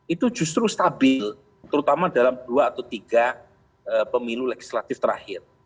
itu justru stabil terutama dalam dua atau tiga pemilu legislatif terakhir